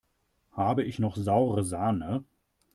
Habe ich noch saure Sahne?